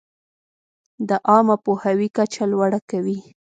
د عامه پوهاوي کچه لوړه کوي.